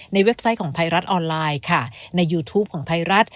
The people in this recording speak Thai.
เว็บไซต์ของไทยรัฐออนไลน์ค่ะในยูทูปของไทยรัฐ